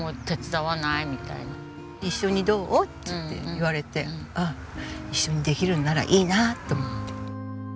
「一緒にどう？」って言われてああ一緒にできるならいいなと思って。